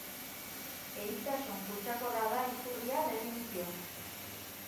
Eritasun kutsakorra da izurria, definizioz.